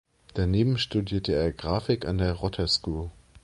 Daneben studierte er Grafik an der Rotter School.